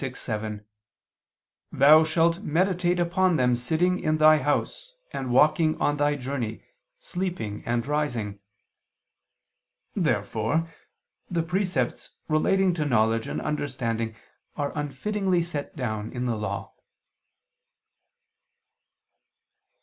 6:7): "Thou shalt meditate upon them sitting in thy house, and walking on thy journey, sleeping and rising." Therefore the precepts relating to knowledge and understanding are unfittingly set down in the Law.